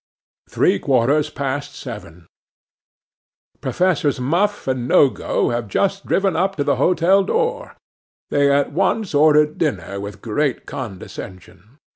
'Three quarters part seven. 'PROFESSORS Muff and Nogo have just driven up to the hotel door; they at once ordered dinner with great condescension.